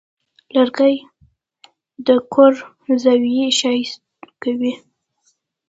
لرګی د کور زاویې ښایسته کوي.